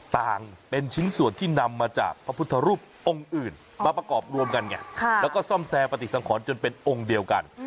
ต่างเป็นชิ้นส่วนที่นำมาจากพระพุทธรูปองค์อื่นมาประกอบรวมกันไงแล้วก็ซ่อมแซมปฏิสังขรจนเป็นองค์เดียวกัน